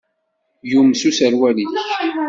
Yumes userwal-ik.